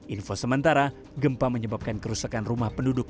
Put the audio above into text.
info sementara gempa menyebabkan kerusakan rumah penduduk